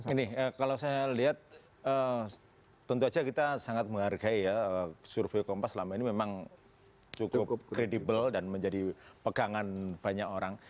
ini kalau saya lihat tentu saja kita sangat menghargai ya survei kompas selama ini memang cukup kredibel dan menjadi pegangan banyak orang